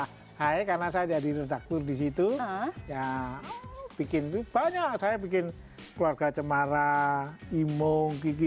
hai karena saya jadi redaktur di situ ya bikin tuh banyak saya bikin keluarga cemara imung gigi